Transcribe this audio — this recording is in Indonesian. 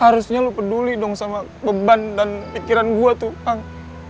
harusnya lo peduli dong sama beban dan pikiran gue tuh kang